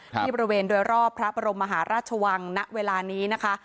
ที่บริเวณโดยรอบพระบรมมหาราชวังณเวลานี้นะคะ